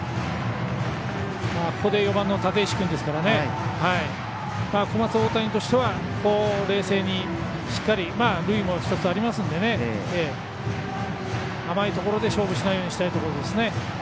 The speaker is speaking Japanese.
ここで４番の立石君ですから小松大谷としては冷静にしっかり塁も１つありますので甘いところで勝負しないようにしたいところですね。